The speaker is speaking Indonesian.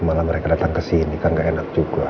malah mereka datang kesini kan gak enak juga